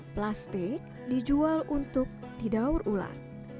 plastik dijual untuk didaur ulang